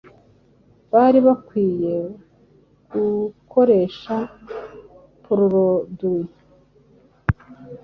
bari bakwiye gukoresha proroduwi